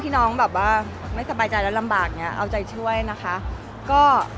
ตอนนั้นมันเอาหมาไปยินไหนแล้วครับ